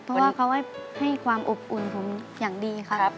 เพราะว่าเขาให้ความอบอุ่นผมอย่างดีครับ